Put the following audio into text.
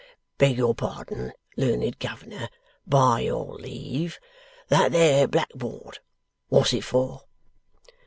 Beg your pardon, learned governor! By your leave! That there black board; wot's it for?